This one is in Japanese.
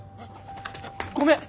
ごめん！